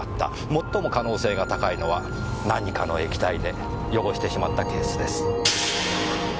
最も可能性が高いのは何かの液体で汚してしまったケースです。